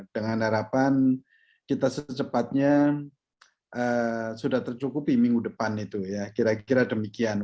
dengan harapan kita secepatnya sudah tercukupi minggu depan itu ya kira kira demikian